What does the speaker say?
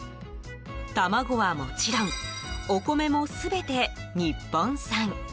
卵はもちろんお米も全て日本産。